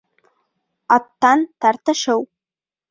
Аттан тартышыу